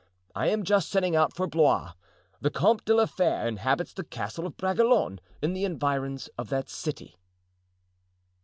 I am just setting out for Blois. The Comte de la Fere inhabits the Castle of Bragelonne, in the environs of that city."